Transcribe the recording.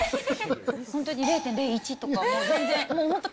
本当に０．０１とか、本当、